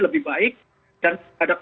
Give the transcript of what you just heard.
lebih baik dan